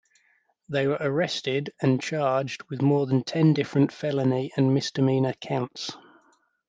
They were arrested and charged with more than ten different felony and misdemeanor counts.